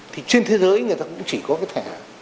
thì trên thế giới người ta cũng chỉ có cái thẻ